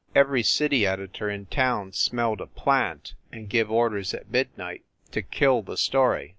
Every city editor in town smelled a "plant" and give orders at midnight to "kill" the story.